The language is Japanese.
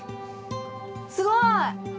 すごい！